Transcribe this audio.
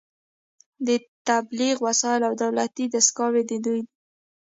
د تبلیغ وسایل او دولتي دستګاوې د دوی دي